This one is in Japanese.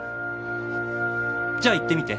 じゃあ言ってみて。